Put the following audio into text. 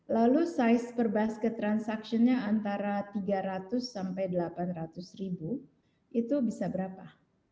lalu size per basket transaksinya antara tiga ratus sampai delapan ratus ribu itu bisa berapa